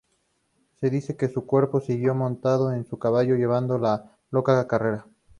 Se dice que su cuerpo siguió montado en su caballo llevando una loca carrera.